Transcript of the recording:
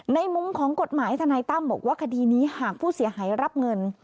ในมุมของกฎหมายทนายตั้มบอกว่าคดีนี้หากผู้เสียหายรับเงิน